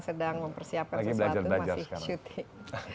sedang mempersiapkan sesuatu masih syuting